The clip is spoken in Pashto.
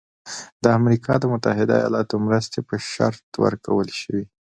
د امریکا د متحده ایالاتو مرستې په شرط ورکول شوی.